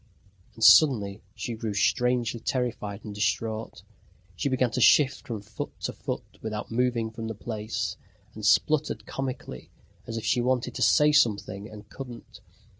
And suddenly she grew strangely terrified and distraught; she began to shift from foot to foot without moving from the place, and spluttered comically, as if she wanted to say something and couldn't.